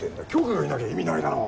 杏花がいなきゃ意味ないだろ